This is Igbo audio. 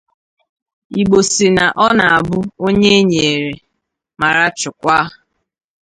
Igbo sị na ọ na-abụ onye e nyèrè mara chukwaa